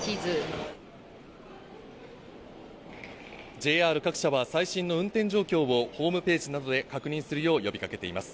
ＪＲ各社は最新の運転状況をホームページなどで確認するよう呼び掛けています。